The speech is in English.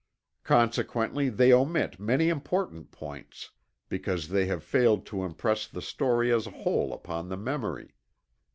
Consequently they omit many important points, because they have failed to impress the story as a whole upon the memory.